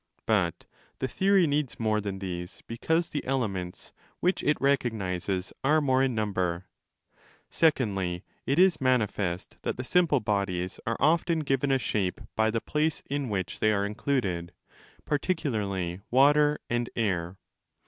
But the theory needs more than these because the elements which it recognizes are more in number. Secondly, it is manifest that the simple 10 bodies are often given a shape by the place in which they are included, particularly water and air.